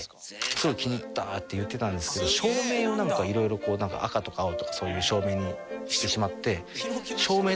すごい気に入ったって言ってたんですけど照明を色々赤とか青とかそういう照明にしてしまって。